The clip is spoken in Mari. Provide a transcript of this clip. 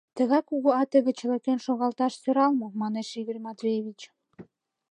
— Тыгай кугу ате гыч лӧкен шогылташ сӧрал мо? — манеш Игорь Матвеевич.